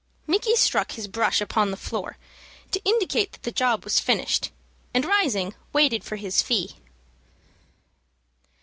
Micky struck his brush upon the floor to indicate that the job was finished, and, rising, waited for his fee.